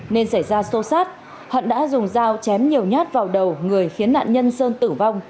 nên xảy ra xô xát hận đã dùng dao chém nhiều nhát vào đầu người khiến nạn nhân sơn tử vong